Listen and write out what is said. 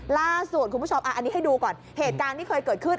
ล่าสุดคุณผู้ชมอันนี้ให้ดูก่อนเหตุการณ์ที่เคยเกิดขึ้น